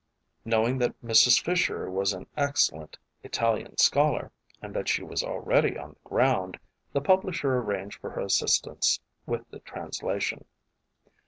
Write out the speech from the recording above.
Knowing that Mrs. Fisher was an excellent Italian scholar and that she was already on the ground, the publisher arranged for her assistance with the translation.